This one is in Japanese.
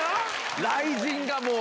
雷神がもう。